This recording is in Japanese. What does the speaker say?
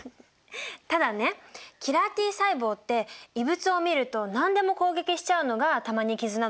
ただねキラーＴ細胞って異物を見ると何でも攻撃しちゃうのが玉にきずなのよね。